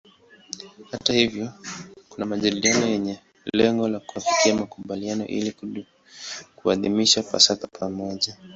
Hata hivyo kuna majadiliano yenye lengo la kufikia makubaliano ili kuadhimisha Pasaka pamoja.